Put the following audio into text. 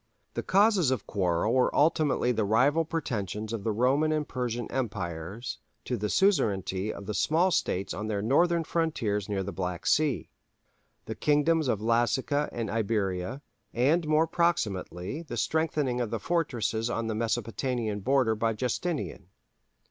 The causes of quarrel were ultimately the rival pretensions of the Roman and Persian Empires to the suzerainty of the small states on their northern frontiers near the Black Sea, the kingdoms of Lazica and Iberia, and more proximately the strengthening of the fortresses on the Mesopotamian border by Justinian.